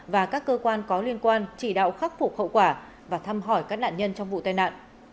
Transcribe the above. và các cơ quan có liên quan chỉ đạo khắc phục hậu quả và thăm hỏi các nạn nhân trong vụ tai nạn